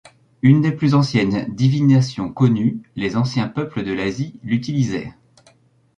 Une des plus anciennes divination connue, les anciens peuples de l'Asie l'utilisèrent.